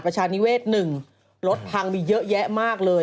ประชานิเวศ๑รถพังมีเยอะแยะมากเลย